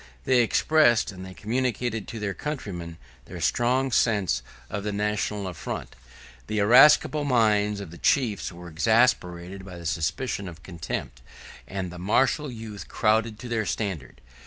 They expressed, and they communicated to their countrymen, their strong sense of the national affront. The irascible minds of the chiefs were exasperated by the suspicion of contempt; and the martial youth crowded to their standard.